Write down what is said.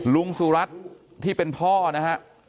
สุรัตน์ที่เป็นพ่อนะฮะ